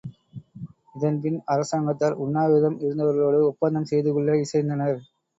இதன் பின்பு அரசாங்கத்தார் உண்ணாவிரதம் இருந்தவர்களோடு ஒப்பந்தம் செய்து கொள்ள இசைந்தனர்.